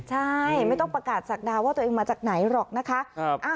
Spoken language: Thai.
ใช่ไม่ต้องประกาศศักดาว่าตัวเองมาจากไหนหรอกนะคะ